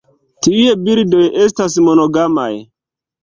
Tiuj birdoj estas monogamaj.